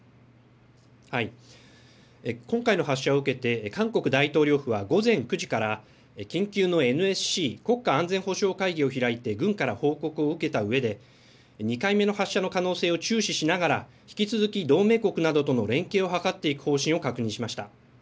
今回の発射を受けて韓国大統領府は午前９時から緊急のＮＳＣ・国家安全保障会議を開いて軍から報告を受けたうえで２回目の発射の可能性を注視しながら引き続き同盟国などとの連携を図っていく方針を確認しました。